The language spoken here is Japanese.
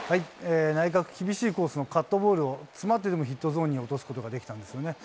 内角厳しいコースのカットボールを、詰まってでもヒットゾーンに落とすことができたんですよね。